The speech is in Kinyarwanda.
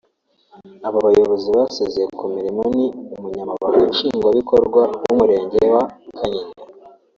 Aba bayobozi basezeye ku mirimo ni Umunyamabanga Nshingwabikorwa w’umurenge wa Kanyinya